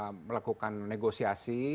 mereka melakukan negosiasi